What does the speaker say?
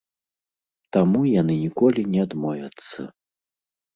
Таму яны ніколі не адмовяцца.